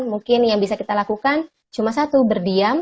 mungkin yang bisa kita lakukan cuma satu berdiam